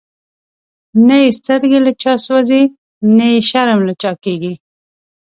نه یی سترګی له چا سوځی، نه یی شرم له چا کیږی